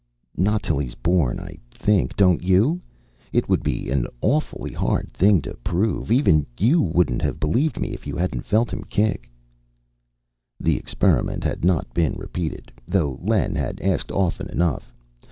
"Not till he's born, I think, don't you? It would be an awful hard thing to prove even you wouldn't have believed me if you hadn't felt him kick." This experiment had not been repeated, though Len had asked often enough.